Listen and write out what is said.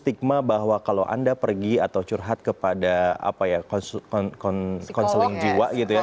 stigma bahwa kalau anda pergi atau curhat kepada apa ya konseling jiwa gitu ya